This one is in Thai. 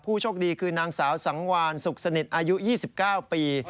โชคดีคือนางสาวสังวานสุขสนิทอายุ๒๙ปี